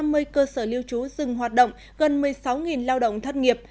với cơ sở lưu trú dừng hoạt động gần một mươi sáu lao động thất nghiệp